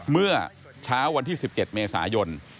เมื่อเช้าวันที่๑๗เมษายน